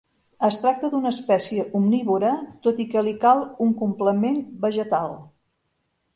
Es tracta d'una espècie omnívora, tot i que li cal un complement vegetal.